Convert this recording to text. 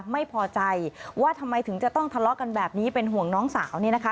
ไม่พอใจว่าทำไมถึงจะต้องทะเลาะกันแบบนี้เป็นห่วงน้องสาวเนี่ยนะคะ